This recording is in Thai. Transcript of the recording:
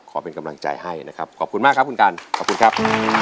เป็นกำลังใจให้นะครับขอบคุณมากครับคุณกันขอบคุณครับ